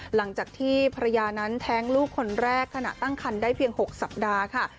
หลังจากที่ภรรยานั้นแท้งลูกคนแรกขณะตั้งคันได้เพียง๖สัปดาห์ค่ะ